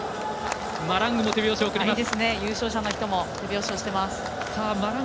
マラングも手拍子を送ります。